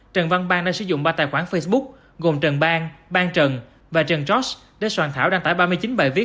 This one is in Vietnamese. trần văn bang đã sử dụng ba tài khoản facebook gồm trần bang ban trần và trần trót để soạn thảo đăng tải ba mươi chín bài viết